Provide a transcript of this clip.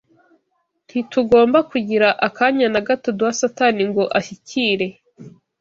Ntitugomba kugira akanya na gato duha Satani ngo ashyikire